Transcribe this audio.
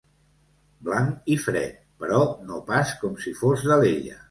Blanc i fred, però no pas com si fos d'Alella.